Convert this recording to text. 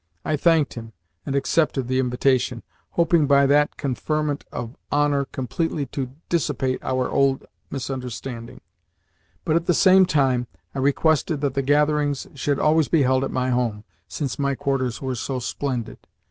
I thanked him, and accepted the invitation hoping by that conferment of honour completely to dissipate our old misunderstanding; but at the same time I requested that the gatherings should always be held at my home, since my quarters were so splendid!